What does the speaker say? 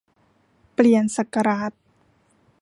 เปลี่ยนศักราช